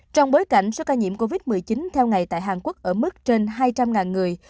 trong bối cảnh số ca nhiễm covid một mươi chín theo ngày tại hàn quốc ở mức trên hai trăm linh người